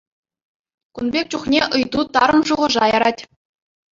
Кун пек чухне ыйту тарӑн шухӑша ярать.